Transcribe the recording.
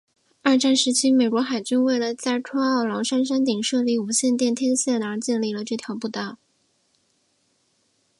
二战时期美国海军为了在科奥劳山山顶设立无线电天线而建立了这条步道。